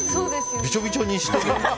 びちょびちょにして。